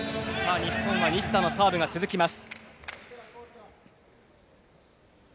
日本は西田のサーブが続きます。